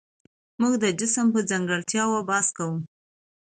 موږ د جسم په ځانګړتیاوو بحث کوو.